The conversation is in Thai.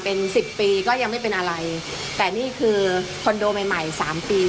เป็นสิบปีก็ยังไม่เป็นอะไรแต่นี่คือคอนโดใหม่ใหม่สามปี